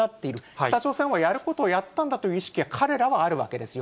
北朝鮮はやることをやったんだという意識が彼らはあるわけですよ。